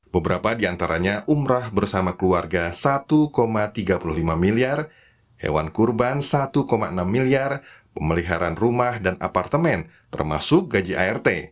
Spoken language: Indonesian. beberapa diantaranya umrah bersama keluarga satu tiga puluh lima miliar hewan kurban satu enam miliar pemeliharaan rumah dan apartemen termasuk gaji art